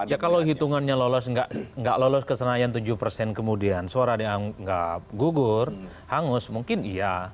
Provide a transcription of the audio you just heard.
ya kalau hitungannya lolos nggak lolos ke senayan tujuh persen kemudian suara dianggap gugur hangus mungkin iya